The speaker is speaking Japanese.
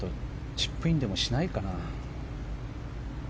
チップインでもしないかな。